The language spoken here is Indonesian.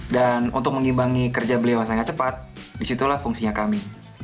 dan untuk mengimbangi kerja beliau sangat cepat disitulah fungsinya kami